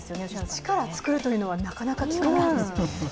一から作るというのは、なかなか聞かないですよね。